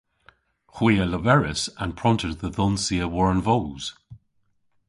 Hwi a leveris an pronter dhe dhonsya war an voos.